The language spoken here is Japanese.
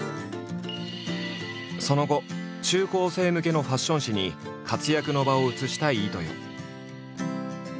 その後中高生向けのファッション誌に活躍の場を移した飯豊。